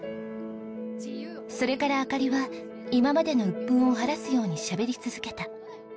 それから灯は今までの鬱憤を晴らすようにしゃべり続けた。